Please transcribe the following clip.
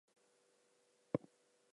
The higher versions are continued.